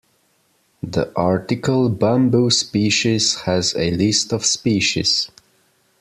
The article, Bamboo species, has a list of species.